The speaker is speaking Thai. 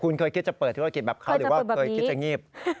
คุณเคยคิดจะเปิดธุรกิจแบบเขาหรือว่าเคยคิดจะงีบ